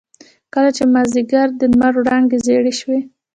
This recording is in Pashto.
کله چې مازيګر د لمر وړانګې زيړې شوې.